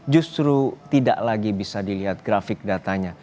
justru tidak lagi bisa dilihat grafik datanya